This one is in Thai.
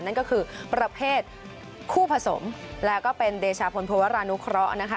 นั่นก็คือประเภทคู่ผสมแล้วก็เป็นเดชาพลภวรานุเคราะห์นะคะ